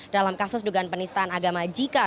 dalam kasus dugaan penistaan agama jika